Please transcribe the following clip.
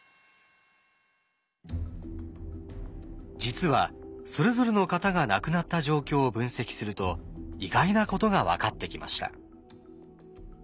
実はそれぞれの方が亡くなった状況を分析すると意外なことが分かってきました。